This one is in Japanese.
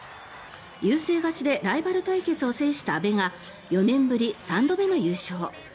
優勢勝ちでライバル対決を制した阿部が４年ぶり３度目の優勝。